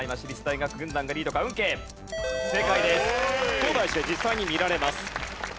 東大寺で実際に見られます。